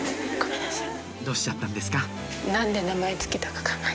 どうしちゃったんですか？